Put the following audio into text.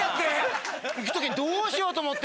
行く時にどうしようと思って。